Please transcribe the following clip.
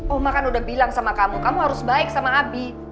oh makan udah bilang sama kamu kamu harus baik sama abi